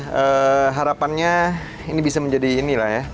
harapannya ini bisa menjadi inilah ya